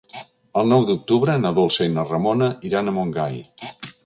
El nou d'octubre na Dolça i na Ramona iran a Montgai.